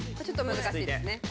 ちょっと難しいですね。